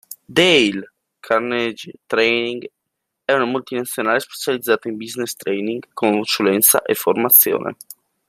Dale Carnegie Training è una multinazionale specializzata in business training, consulenza e formazione.